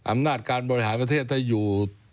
อำนาจการบริหารประเทศถ้าอยู่